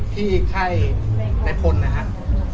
ที่ไข้ในพลนะครับ